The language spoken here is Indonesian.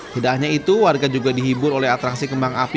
tidak hanya itu warga juga dihibur oleh atraksi kembang api